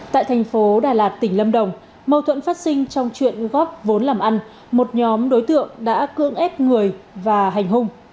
tại thành phố đà lạt tỉnh lâm đồng mâu thuẫn phát sinh trong chuyện góp vốn làm ăn một nhóm đối tượng đã cưỡng ép người và hành hung